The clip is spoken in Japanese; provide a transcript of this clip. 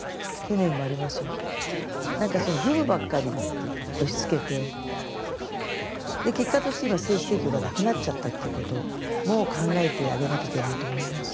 何かその義務ばっかり押しつけて結果として今精子提供がなくなっちゃったっていうことも考えてあげなきゃいけないと思います。